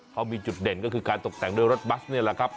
เขามีจุดเด่นก็คือการตกแต่งด้วยรถบัสนี่แหละครับ